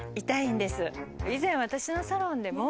以前私のサロンでも。